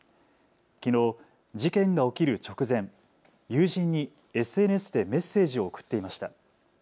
きのう事件が起きる直前、友人にＳＮＳでメッセージを送っていました。